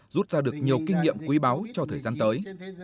rút ra được nhiều kinh nghiệm quý báu cho thời gian tới